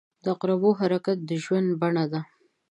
• د عقربو حرکت د ژوند بڼه ده.